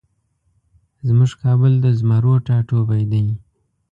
زمونږ کابل د زمرو ټاټوبی دی